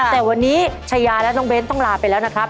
แต่วันนี้ชายาและน้องเบ้นต้องลาไปแล้วนะครับ